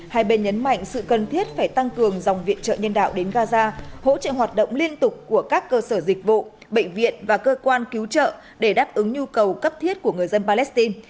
hai bên nhấn mạnh sự cần thiết phải tăng cường dòng viện trợ nhân đạo đến gaza hỗ trợ hoạt động liên tục của các cơ sở dịch vụ bệnh viện và cơ quan cứu trợ để đáp ứng nhu cầu cấp thiết của người dân palestine